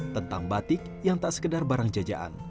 tentang batik yang tak sekedar barang jajaan